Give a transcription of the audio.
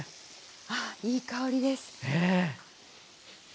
あいい香りです。ね。